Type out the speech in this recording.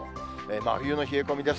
真冬の冷え込みです。